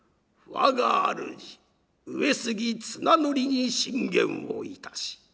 我があるじ上杉綱憲に進言をいたし